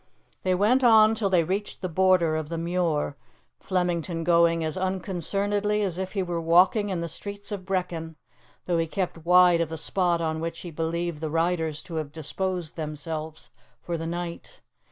They went on till they reached the border of the Muir, Flemington going as unconcernedly as if he were walking in the streets of Brechin, though he kept wide of the spot on which he believed the riders to have disposed themselves for the night.